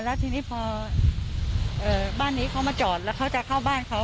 แล้วทีนี้พอบ้านนี้เขามาจอดแล้วเขาจะเข้าบ้านเขา